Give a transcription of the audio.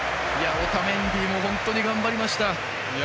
オタメンディも本当に頑張りました。